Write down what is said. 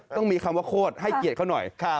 ต้องมีคำว่าโคตรให้เกียรติเขาหน่อย